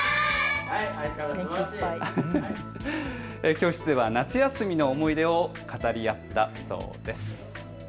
教室では夏休みの思い出を語り合ったそうです。